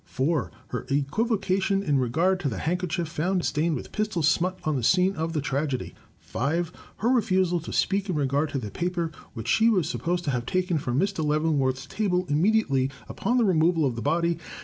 4. Her equivocation in regard to the handkerchief found stained with pistol smut on the scene of the tragedy. 5. Her refusal to speak in regard to the paper which she was sup posed to have taken from Mr. Leavenworth's table immediately upon the removal of the body.